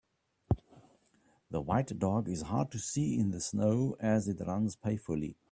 The white dog is hard to see in the snow as it runs payfully.